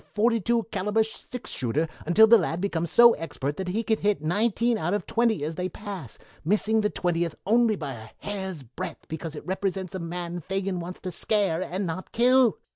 42 caliber six shooter, until the lad becomes so expert that he can hit nineteen out of twenty as they pass, missing the twentieth only by a hair's breadth because it represents a man Fagin wants to scare and not kill.